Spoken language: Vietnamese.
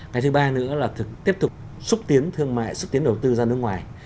cái thứ ba nữa là tiếp tục xúc tiến thương mại xúc tiến đầu tư ra nước ngoài